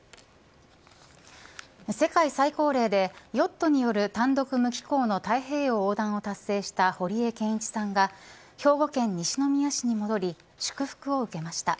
世界最高齢でヨットによる単独無寄港の太平洋横断を達成した堀江謙一さんが兵庫県西宮市に戻り祝福を受けました。